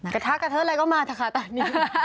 กระทะใครค่ะอะไรก็มาค่ะแบบนี้